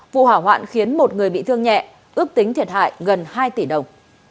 vụ hỏa hoạn khiến một người bị thương nhẹ ước tính thiệt hại gần hai tỷ đồng